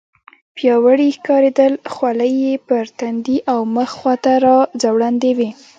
پیاوړي ښکارېدل، خولۍ یې پر تندي او مخ خواته راځوړندې وې.